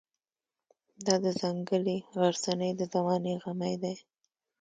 دا د ځنګلي غرڅنۍ د زمانې غمی دی.